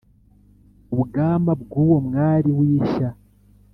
ubwama bw'uwo mwari w'ishya